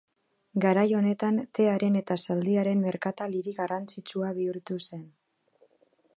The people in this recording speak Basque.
Garai honetan tearen eta zaldiaren merkatal hiri garrantzitsua bihurtu zen.